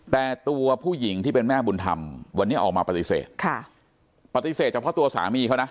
แต่ตัวผู้หญิงที่เป็นแม่บุญธรรมวันนี้ออกมาปฏิเสธค่ะปฏิเสธเฉพาะตัวสามีเขานะ